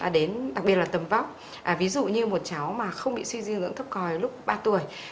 đến đặc biệt là tầm vóc ví dụ như một cháu mà không bị suy dinh dưỡng thấp còi lúc ba tuổi